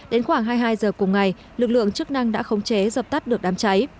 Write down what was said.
đến khoảng hai mươi hai giờ cùng ngày lực lượng chức năng đã khống chế dập tắt được đám cháy